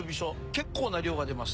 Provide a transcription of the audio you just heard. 結構な量が出ます。